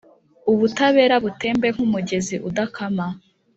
’ubutabera butembe nk’umugezi udakama!